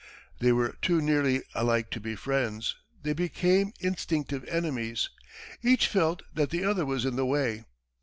They were too nearly alike to be friends; they became instinctive enemies. Each felt that the other was in the way.